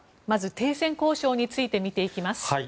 まず、停戦交渉について見ていきます。